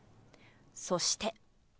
そして。